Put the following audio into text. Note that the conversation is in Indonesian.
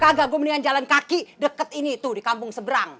kagak gue mendingan jalan kaki deket ini tuh di kampung seberang